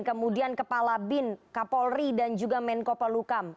kemudian kepala bin kapolri dan juga menko polukam